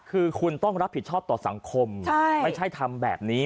คือคุณต้องรับผิดชอบต่อสังคมไม่ใช่ทำแบบนี้